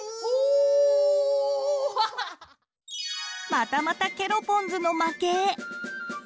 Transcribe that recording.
またまたケロポンズの負け。